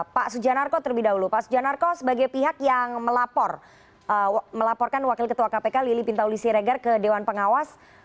pak sujanarko terlebih dahulu pak sujanarko sebagai pihak yang melaporkan wakil ketua kpk lili pintauli siregar ke dewan pengawas